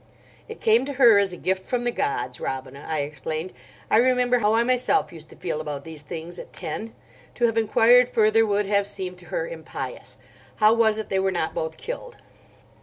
"It came to her as a gift from the gods, Robina," I explained. "I remember how I myself used to feel about these things, at ten. To have enquired further would have seemed to her impious. How was it they were not both killed?"